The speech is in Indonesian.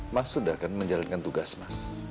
mas sudah kan menjalankan tugas mas